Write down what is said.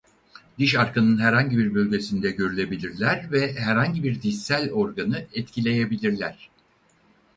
Diş arkının herhangi bir bölgesinde görülebilirler ve herhangi bir dişsel organı etkileyebilirler.